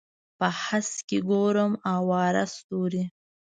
په هسک کې ګورم اواره ستوري